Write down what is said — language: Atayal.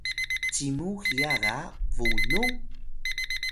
cimu hiya ga Bunun?